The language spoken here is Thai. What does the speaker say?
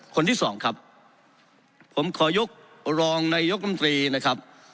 คนที่สองครับผมขอยกรองนายกรรมตรีนะครับ